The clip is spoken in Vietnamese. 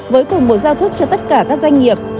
với cùng một giao thức cho tất cả các doanh nghiệp